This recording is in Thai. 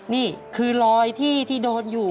นี่คือรอยที่โดนอยู่